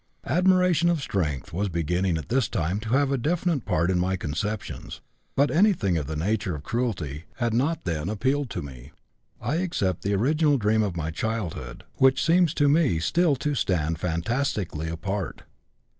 Admiration of strength was beginning at this time to have a definite part in my conceptions, but anything of the nature of cruelty had not then appealed to me. (I except the original dream of my childhood, which seems to me still to stand fantastically apart.)